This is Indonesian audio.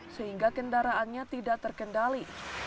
sehingga kendaraannya tidak terkendali